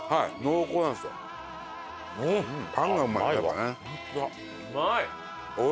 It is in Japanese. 「うまい！」